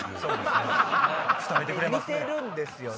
似てるんですよね。